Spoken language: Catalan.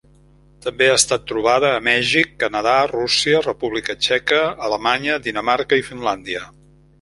També ha estat trobada a Mèxic, Canadà, Rússia, República Txeca, Alemanya, Dinamarca i Finlàndia.